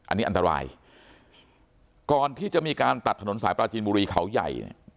อันนี้อันตรายก่อนที่จะมีการตัดถนนสายปราจีนบุรีเขาใหญ่เนี่ย